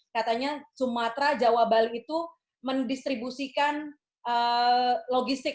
katanya sumatera jawa bali itu mendistribusikan logistik